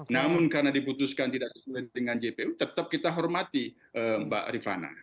namun karena diputuskan tidak sesuai dengan jpu tetap kita hormati mbak rifana